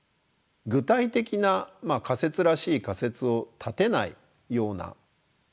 具体的な仮説らしい仮説を立てないような。